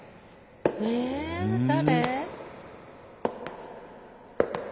え誰？